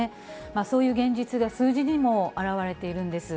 そういう現実が数字にも表れているんです。